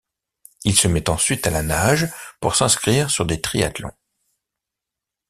Il se met ensuite à la nage pour s'inscrire sur des triathlon.